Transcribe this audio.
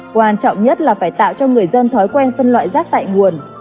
quan trọng nhất là phải tạo cho người dân thói quen phân loại rác tại nguồn